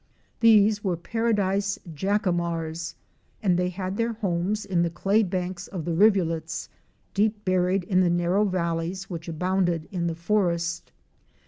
These were Paradise Jacamars,* and they had their homes in the clay banks of the rivulets, deep buried in the narrow valleys which abounded in the forest.